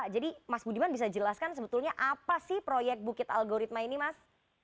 jadi mas budiman bisa jelaskan sebetulnya apa sih proyek bukit algoritma ini mas